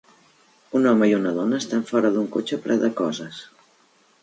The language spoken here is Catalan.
Un home i una dona estan fora d'un cotxe ple de coses.